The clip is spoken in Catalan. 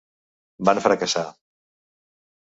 Van fracassar.